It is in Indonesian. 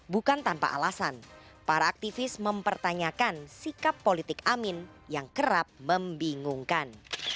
bukan tanpa alasan para aktivis mempertanyakan sikap politik amin yang kerap membingungkan